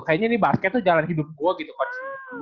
kayaknya ini basket tuh jalan hidup gue gitu coach